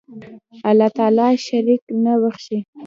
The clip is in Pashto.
الله تعالی شرک نه بخښي